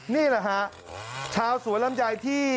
นี่แหละฮะชาวสวนลำไยที่